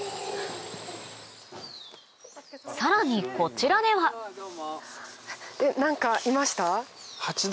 さらにこちらでは何かいました？